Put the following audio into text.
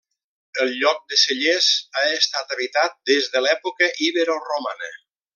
El lloc de Cellers ha estat habitat des de l'època iberoromana.